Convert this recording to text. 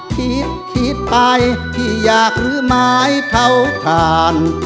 ขีดขีดไปที่อยากลื้อไม้เผาถ่าน